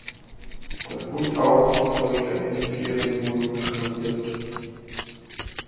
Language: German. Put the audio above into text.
Das Gutshaus ist vollständig mit Ferienwohnungen renoviert.